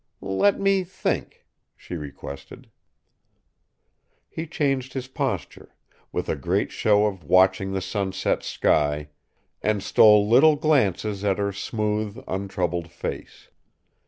"Let me think," she requested. He changed his posture, with a great show of watching the sunset sky, and stole little glances at her smooth, untroubled face.